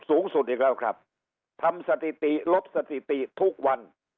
สูงสุดอีกแล้วครับทำสถิติลบสถิติทุกวัน